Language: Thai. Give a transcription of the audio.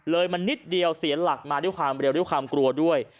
เลยมันนิดเดียวเสียหนลักมาเร็วกลัวด้วย